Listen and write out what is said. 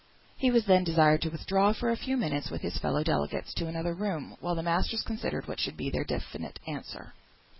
He was then desired to withdraw for a few minutes, with his fellow delegates, to another room, while the masters considered what should be their definitive answer.